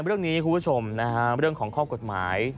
ในเรื่องนี้คุณผู้ชมนะครับเรื่องของข้อกฎหมาย